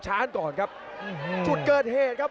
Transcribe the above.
ส่วนหน้านั้นอยู่ที่เลด้านะครับ